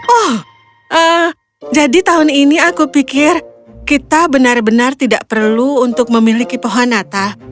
oh jadi tahun ini aku pikir kita benar benar tidak perlu untuk memiliki pohon natal